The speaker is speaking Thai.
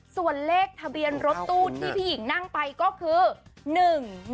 ส่วนเลขทะเบียนรถตู้ที่พี่หญิงนั่งไปก็คือ๑๑๒